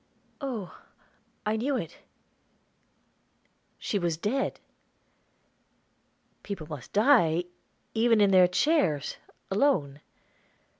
Oh, I knew it! She was dead! People must die, even in their chairs, alone!